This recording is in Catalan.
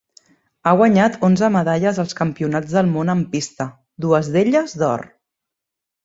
Ha guanyat onze medalles als Campionats del Món en pista, dues d'elles d'or.